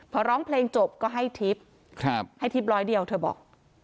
พอร้องเพลงจบก็ให้ทิพย์ให้ทิพย์ร้อยเดียวเธอบอก